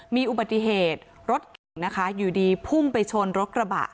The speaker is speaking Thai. มีอุบัติเหตุรถเก่งนะคะอยู่ดีพุ่งไปชนรถกระบะ